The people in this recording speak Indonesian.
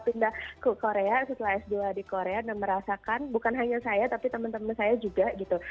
pindah ke korea setelah s dua di korea dan merasakan bukan hanya saya tapi teman teman saya juga gitu